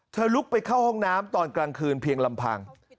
ลุกไปเข้าห้องน้ำตอนกลางคืนเพียงลำพัง